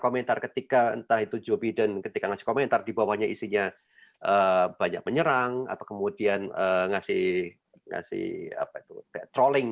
komentar ketika entah itu joe biden ketika ngasih komentar dibawanya isinya banyak menyerang atau kemudian ngasih trolling